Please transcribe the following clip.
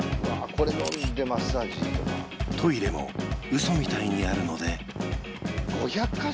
これ飲んでマッサージとかトイレもウソみたいにあるので５００か所！？